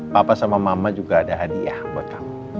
papa sama mama juga ada hadiah buat kamu